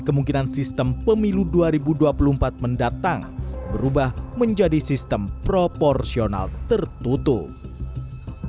kemungkinan sistem pemilu dua ribu dua puluh empat mendatang berubah menjadi sistem proporsional tertutup